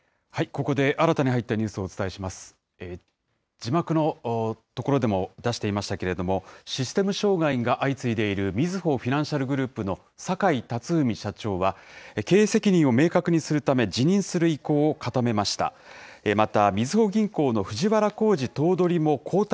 字幕のところでも出していましたけれども、システム障害が相次いでいるみずほフィナンシャルグループの坂井辰史社長は、経営責任を明確にするため、辞任する意向を固めました。